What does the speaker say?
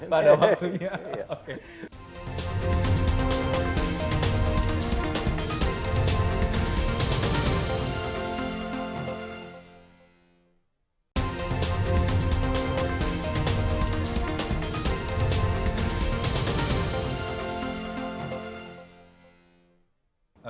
pada waktunya oke